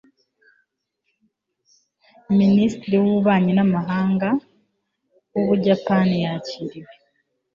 minisitiri w'ububanyi n'amahanga w'ubuyapani yakiriwe